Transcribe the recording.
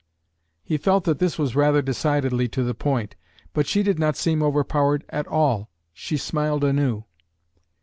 He felt that this was rather decidedly to the point, but she did not seem overpowered at all. She smiled anew.